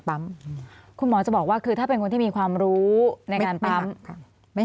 คุณหมอจะบอกว่าคือถ้าเป็นคนที่มีความรู้ในการปั๊มไม่